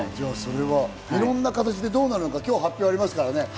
いろんな形で、どうなるのか今日発表ありますからね。